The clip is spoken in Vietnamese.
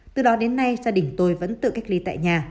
từ đó đến nay gia đình tôi vẫn tự cách ly tại nhà